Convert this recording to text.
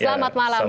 selamat malam pak